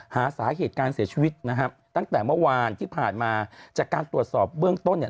หาสาเหตุการเสียชีวิตนะครับตั้งแต่เมื่อวานที่ผ่านมาจากการตรวจสอบเบื้องต้นเนี่ย